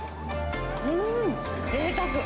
うーん、ぜいたく。